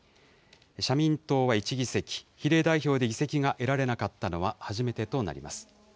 社民党は１議席、比例代表で議席が得られなかったのは初めてとなります。